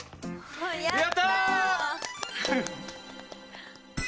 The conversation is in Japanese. やった！